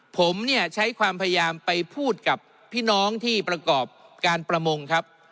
ผมเนี่ยใช้ความพยายามไปพูดกับพี่น้องที่ประกอบการประมงครับ